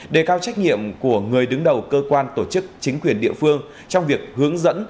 đề cao trách nhiệm của người đứng đầu cơ quan tổ chức chính quyền địa phương trong việc hướng dẫn